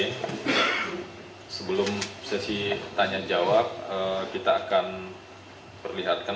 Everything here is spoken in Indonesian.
sebelum sesi tanya jawab kita akan perlihatkan